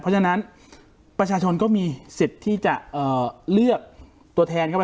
เพราะฉะนั้นประชาชนก็มีสิทธิ์ที่จะเลือกตัวแทนเข้าไป